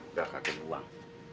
udah kakek buang